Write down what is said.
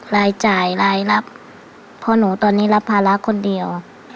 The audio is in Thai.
รายจ่ายรายรับเพราะหนูตอนนี้รับภาระคนเดียว